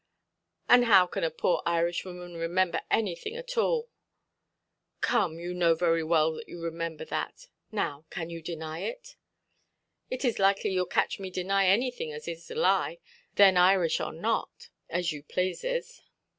"And how can a poor Irishwoman remimber anything at all"? "Come, you know very well that you remember that. Now, can you deny it"? "Is it likely youʼll catch me deny anything as is a lie, then, Irish or not, as you plases"?